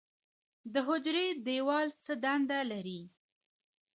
د حجرې دیوال څه دنده لري؟